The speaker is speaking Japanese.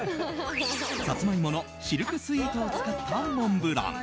サツマイモのシルクスイートを使ったモンブラン。